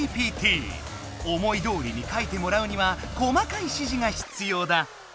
思いどおりに書いてもらうには細かいしじがひつようだ。